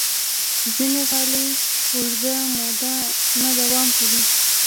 ځینې غالۍ اوږده موده نه دوام کوي.